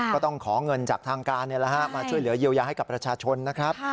ก็ต้องขอเงินจากทางการมาช่วยเหลือเยียวยาให้กับประชาชนนะครับ